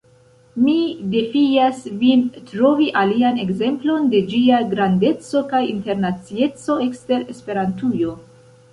Mi defias vin trovi alian ekzemplon de ĝia grandeco kaj internacieco, ekster Esperantujo.